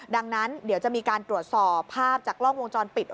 ดังนั้นเดี๋ยวจะมีการตรวจสอบภาพจากกล้องวงจรปิด